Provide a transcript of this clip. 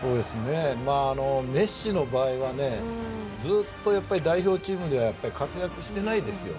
メッシの場合は、ずっと代表チームで活躍していないですよ。